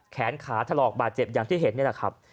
แขนขาถลอกบาดเจ็บอย่างที่เห็นนี่แหละครับ